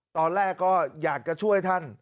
ตอนแรกก็อยากจะช่วยท่าน